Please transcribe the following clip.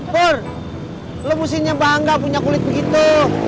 pur lo mestinya bangga punya kulit begitu